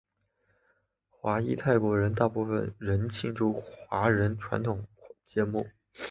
华裔泰国人大部分仍庆祝华人传统节日。